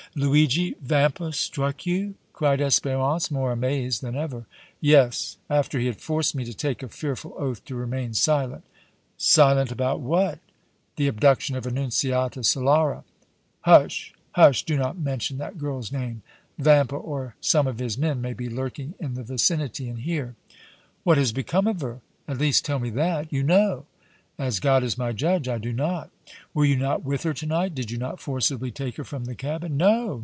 "Luigi Vampa struck you?" cried Espérance, more amazed than ever. "Yes, after he had forced me to take a fearful oath to remain silent!" "Silent about what? The abduction of Annunziata Solara?" "Hush! hush! Do not mention that girl's name! Vampa or some of his men may be lurking in the vicinity and hear!" "What has become of her? At least tell me that! You know!" "As God is my judge, I do not!" "Were you not with her to night? Did you not forcibly take her from the cabin?" "No!